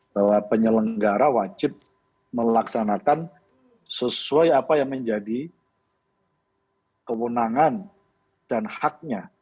bahwa penyelenggara wajib melaksanakan sesuai apa yang menjadi kewenangan dan haknya